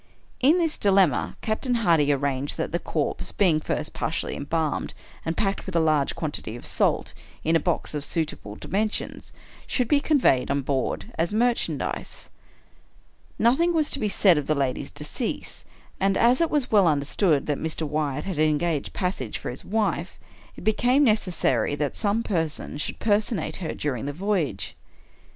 In this dilemma, Captain Hardy arranged that the corpse, being first partially embalmed, and packed, with a large quantity of salt, in a box of suitable dimensions, should be conveyed on board as merchandise. Nothing was to be said of the lady's decease; and, as it was well understood that Mr. Wyatt had engaged passage for his wife, it became necessary that some person should personate her during the voyage.